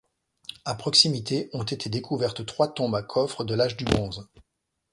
À proximité, ont été découvertes trois tombes à coffre de l'âge du Bronze.